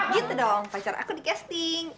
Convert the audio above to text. gitu dong pacar aku di casting